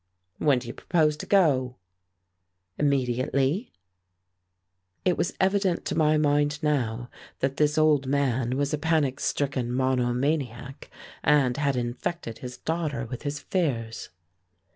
"When do you propose to go?" "Immediately." It was evident to my mind now that this old man was a panic stricken monomaniac, and had infected his daughter with his fears.